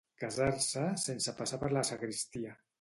Casar-se sense passar per la sagristia.